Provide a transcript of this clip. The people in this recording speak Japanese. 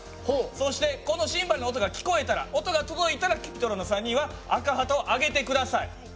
そしてこのシンバルの音が聞こえたら音が届いたらＣｕｐｉｔｒｏｎの３人は赤旗を上げて下さい。